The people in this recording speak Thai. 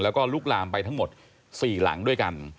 แล้วก็ลุกลามไปทั้งหมด๔หลังด้วยกัน